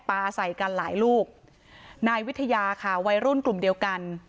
ปลาใส่กันหลายลูกนายวิทยาค่ะวัยรุ่นกลุ่มเดียวกัน